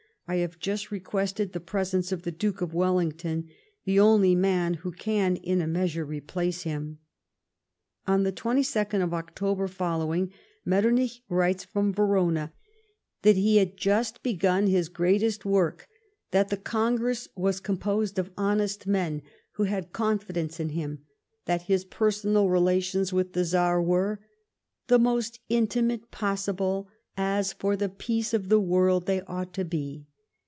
I have just requested the presence of the Duke of Wellington, the only man who can in a measure replace him." On the 22nd October following, Metternich writes from Verona that he had just begun his greatest work ; that the Congress was composed of honest men, who had confidence in him ; that his personal relations with the Czar were «' the most intimate possible, as, for the peace of the world, they ought to be.